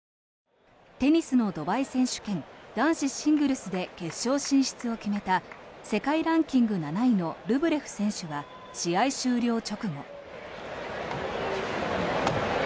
テニスのドバイ選手権男子シングルスで決勝進出を決めた世界ランキング７位のルブレフ選手は試合終了直後。